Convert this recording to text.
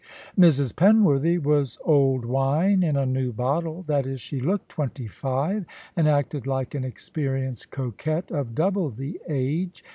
Mrs. Penworthy was old wine in a new bottle: that is, she looked twenty five, and acted like an experienced coquette of double the age.